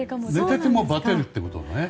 寝ててもバテるってことね。